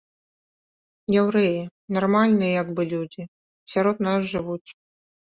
Яўрэі нармальныя як бы людзі, сярод нас жывуць.